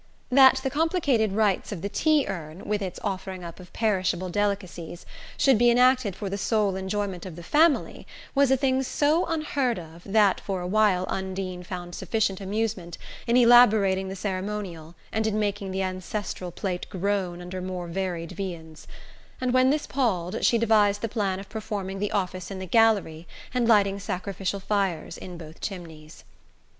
That the complicated rites of the tea urn, with its offering up of perishable delicacies, should be enacted for the sole enjoyment of the family, was a thing so unheard of that for a while Undine found sufficient amusement in elaborating the ceremonial, and in making the ancestral plate groan under more varied viands; and when this palled she devised the plan of performing the office in the gallery and lighting sacrificial fires in both chimneys.